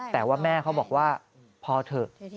แต่ว่าแม่เขาบอกว่าพอเถอะ